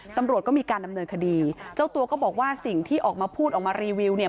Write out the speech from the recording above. ตำรวจก็มีการดำเนินคดีเจ้าตัวก็บอกว่าสิ่งที่ออกมาพูดออกมารีวิวเนี่ย